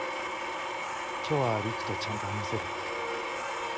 今日は璃久とちゃんと話せる？